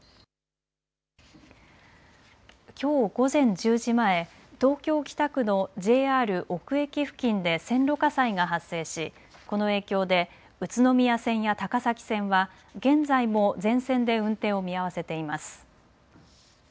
きょう午前１０時前、東京北区のＪＲ尾久駅付近で線路火災が発生し、この影響で宇都宮線や高崎線は現在も全線で運転を見合わせています。